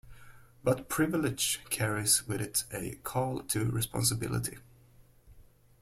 But privilege carries with it a call to responsibility.